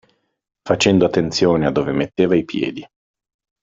Facendo attenzione a dove metteva i piedi.